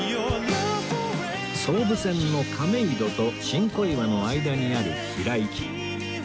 総武線の亀戸と新小岩の間にある平井